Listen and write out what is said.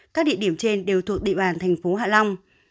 các địa điểm trên đều thuộc địa bàn thành phố hạ long